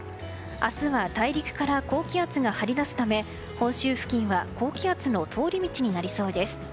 明日は大陸から高気圧が張り出すため本州付近は高気圧の通り道になりそうです。